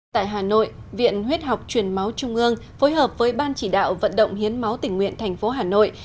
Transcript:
tại hà nội viện huyết học truyền máu trung ương phối hợp với ban chỉ đạo vận động hiến máu tỉnh nguyện thành phố hà nội